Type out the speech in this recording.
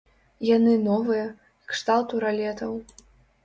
Яны новыя, кшталту ралетаў.